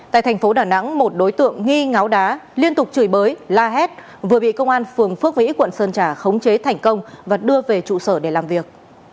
tại thành phố đà nẵng một đối tượng nghi ngáo đá liên tục chửi bới la hét vừa bị công an phường phước vĩ quận sơn trà khống chế thành công và đưa về trụ sở để làm việc